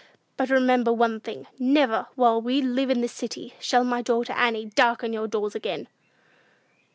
But remember one thing: never, while we live in this city, shall my daughter Annie darken your doors again!"